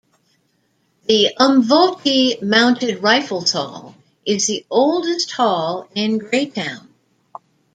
The "Umvoti Mounted Rifles Hall" is the oldest hall in Greytown.